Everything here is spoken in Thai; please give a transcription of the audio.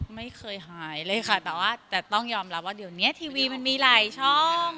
ไม่เคยหายเลยค่ะแต่ว่าแต่ต้องยอมรับว่าเดี๋ยวนี้ทีวีมันมีหลายช่อง